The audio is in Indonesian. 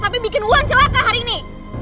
tapi bikin uang celaka hari ini